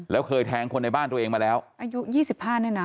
แล้วเคยแทงคนในบ้านตัวเองมาแล้วอายุ๒๕นี่นะ